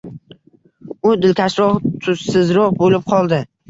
U dilkashroq, tussizroq bo’lib qoldi.